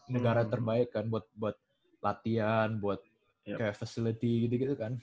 negara terbaik kan buat latihan buat kayak facility gitu gitu kan